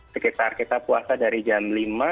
sekitar kita puasa dari jam lima